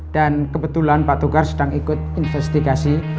dan kebetulan pak togar sedang ikut investigasi